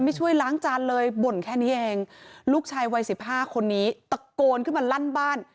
ไม่ช่วยล้างจานเลยบ่นแค่นี้เองลูกชายวัยสิบห้าคนนี้ตะโกนขึ้นมาลั่นบ้าน